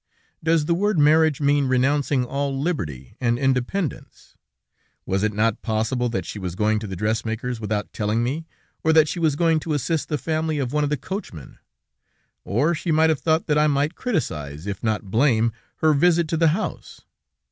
Does the word marriage mean renouncing all liberty and independence? Was it not quite possible that she was going to the dressmaker's without telling me, or that she was going to assist the family of one of the coachmen? Or she might have thought that I might criticize, if not blame, her visit to the house.